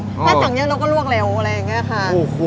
ถ้าสั่งเยอะเราก็ลวกเร็วอะไรอย่างนี้ค่ะ